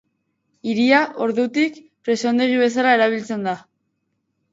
Hiria, ordutik, presondegi bezala erabiltzen da.